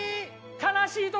悲しい時。